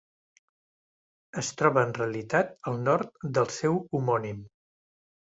Es troba en realitat al nord del seu homònim.